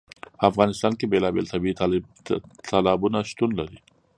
په افغانستان کې بېلابېل طبیعي تالابونه شتون لري.